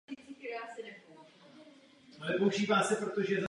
V kontextu středověkých sídel se seskupení dvou až tří usedlostí označuje sedliště.